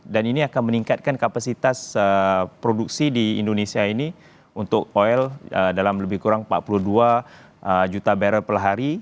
dan ini akan meningkatkan kapasitas produksi di indonesia ini untuk oil dalam lebih kurang empat puluh dua juta barrel per hari